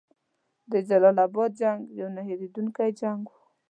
د جلال اباد جنګ یو نه هیریدونکی جنګ وو.